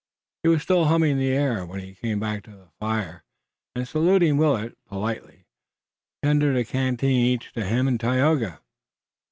He was still humming the air when he came back to the fire, and saluting Willet politely, tendered a canteen each to him and Tayoga.